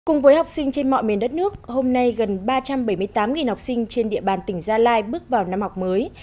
cùng với học sinh trên mọi miền đất nước hôm nay gần ba trăm bảy mươi tám học sinh trên địa bàn tỉnh gia lai bước vào năm học mới